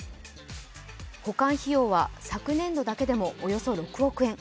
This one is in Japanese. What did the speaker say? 保管費用は昨年度だけでもおよそ６億円。